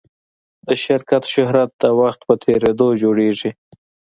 د شرکت شهرت د وخت په تېرېدو جوړېږي.